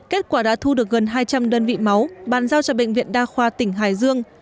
kết quả đã thu được gần hai trăm linh đơn vị máu bàn giao cho bệnh viện đa khoa tỉnh hải dương